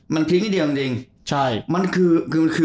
มันพลิกอยู่เดียวจริง